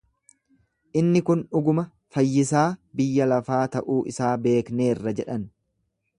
Inni kun dhuguma fayyisaa biyya lafaa ta'uu isaa beekneerra jedhan.